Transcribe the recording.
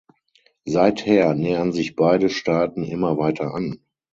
Seither nähern sich beide Staaten immer weiter an.